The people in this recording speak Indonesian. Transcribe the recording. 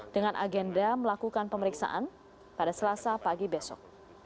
dengan agenda melakukan pemeriksaan pada selasa pagi besok